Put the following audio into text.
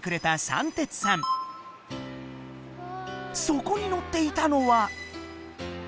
そこに乗っていたのは。